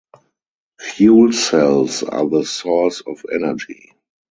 Fuel cells are the source of energy.